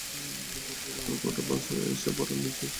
পরপর আরও কটা বাস এসে পড়ার পরই নির্জন বাসস্টপ যেন লোকে লোকারণ্য।